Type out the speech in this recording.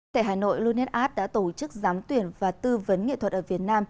tại hà nội luned art đã tổ chức giám tuyển và tư vấn nghệ thuật ở việt nam